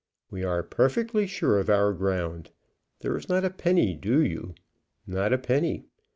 "We are perfectly sure of our ground. There is not a penny due you; not a penny.